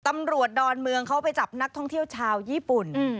ดอนเมืองเขาไปจับนักท่องเที่ยวชาวญี่ปุ่น